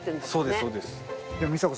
そうですそうです。